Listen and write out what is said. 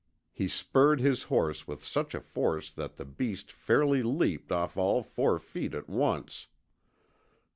He spurred his horse with such a force that the beast fairly leaped off all four feet at once.